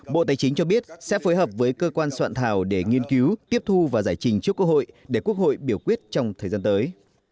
bộ tài chính cho biết sẽ phối hợp với cơ quan soạn thảo để nghiên cứu tiếp thu và giải trình trước quốc hội để quốc hội biểu quyết trong thời gian tới